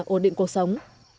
ổn định cuộc sống